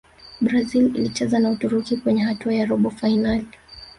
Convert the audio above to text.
brazil ilicheza na Uturuki kwenye hatua ya robo fainali